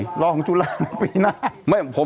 หรือรอของตุลาลอีกปีหน้า